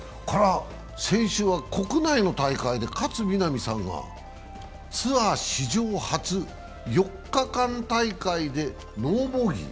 先週は国内の大会で勝みなみさんがツアー史上初、４日間大会でノーボギー。